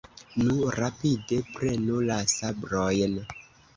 Nu, rapide, prenu la sabrojn!